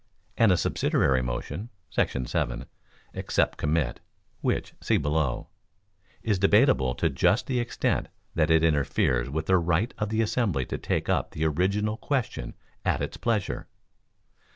And a subsidiary motion [§ 7, except commit, which see below,] is debatable to just the extent that it interferes with the right of the assembly to take up the original question at its pleasure.